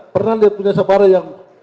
pernah lihat punya safari yang